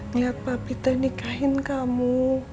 ngeliat papi teh nikahin kamu